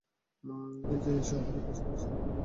তারা যে শহরেই কাজ করে সেই এলাকার বাসিন্দাদের সাথে মিশে যায়।